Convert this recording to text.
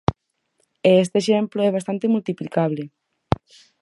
E este exemplo é bastante multiplicable.